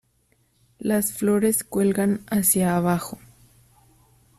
Las flores cuelgan hacia abajo.